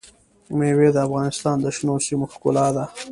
مېوې د افغانستان د شنو سیمو ښکلا ده.